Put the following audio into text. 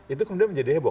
itu kemudian menjadi heboh